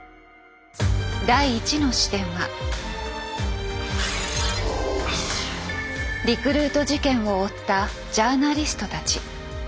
第１の視点はリクルート事件を追ったジャーナリストたち。